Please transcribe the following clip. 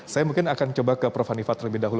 saya mungkin akan coba ke prof hanifah terlebih dahulu